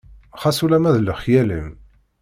Xas ulama d lexyal-im.